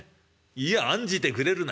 『いや案じてくれるな。